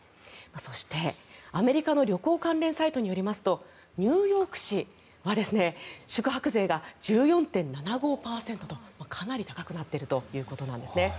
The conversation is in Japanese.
そして、アメリカの旅行関連サイトによりますとニューヨーク市は宿泊税が１４．７５％とかなり高くなっているということなんですね。